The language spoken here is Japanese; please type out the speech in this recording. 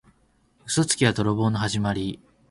嘘つきは泥棒のはじまり。